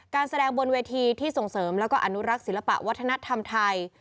การแสดงบนเวทีที่ส่งเสริมแล้วก็อนุรักษ์ศิลปะวัฒนธรรมไทย